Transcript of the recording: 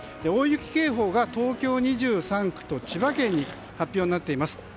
大雪警報が東京２３区と千葉県に発表になっています。